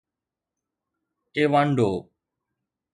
ايوانڊو